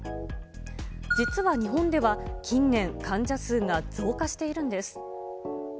実は日本では近年、患者数が増加しているんです。